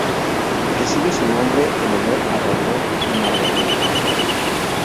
Recibe su nombre en honor a Ramón Margalef.